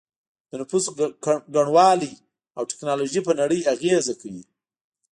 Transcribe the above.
د نفوسو ګڼوالی او ټیکنالوژي په نړۍ اغیزه کوي